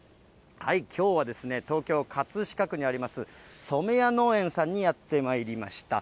きょうはですね、東京・葛飾区にあります、染谷農園さんにやってまいりました。